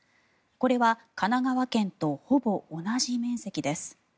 これは神奈川県とほぼ同じ面積です。